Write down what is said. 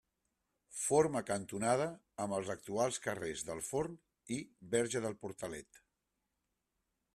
Forma cantonada amb els actuals carrers del Forn i Verge del Portalet.